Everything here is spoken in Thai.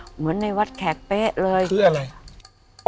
เหมือนในวัดแขกเป๊ะเลยคืออะไรคืออะไร